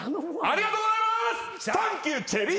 ありがとうございます！